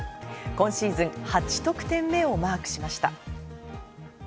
今シーズン８得点目をマークしました。